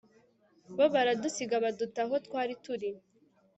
bo baradusiga baduta aho twari turi